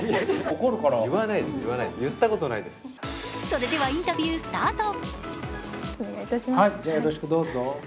それではインタビュースタート。